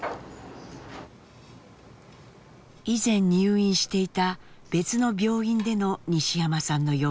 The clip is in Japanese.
以前入院していた別の病院での西山さんの様子です。